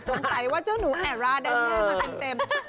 สงสัยว่าเจ้าหนูแอบราแดม่ามาเต็ม